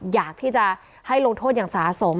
อยากที่จะให้ลงโทษอย่างสะสม